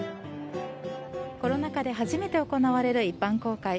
コロナ禍で初めて行われる一般公開。